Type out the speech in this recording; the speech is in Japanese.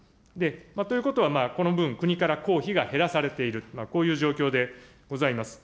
ということは、この分、国から公費が減らされている、こういう状況でございます。